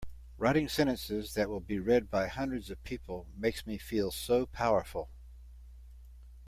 Writing sentences that will be read by hundreds of people makes me feel so powerful!